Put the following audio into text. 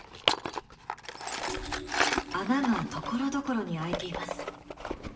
穴がところどころに開いています。